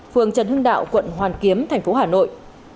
phường trần hưng đạo quận hoàn kiếm tp hà nội